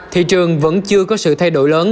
thị trường vẫn chưa có sự thay đổi lớn